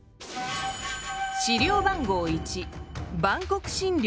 資料番号１。